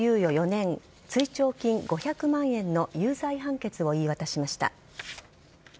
４年追徴金５００万円の有罪判決を言い渡しました。